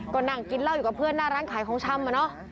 ก็นั่งกินเหล้าอยู่กับเพื่อนหน้าร้านขายของชำอะเนาะ